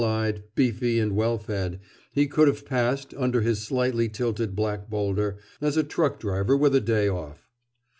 Small eyed, beefy and well fed, he could have passed, under his slightly tilted black boulder, as a truck driver with a day off.